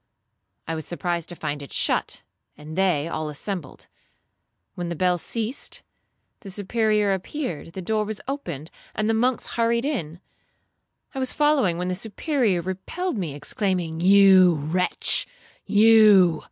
I was surprised to find it shut, and they all assembled. When the bell ceased, the Superior appeared, the door was opened, and the monks hurried in. I was following, when the Superior repelled me, exclaiming, 'You, wretch, you!